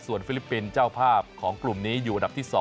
ฟิลิปปินส์เจ้าภาพของกลุ่มนี้อยู่อันดับที่๒